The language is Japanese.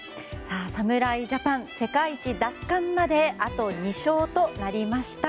侍ジャパン、世界一奪還まであと２勝となりました。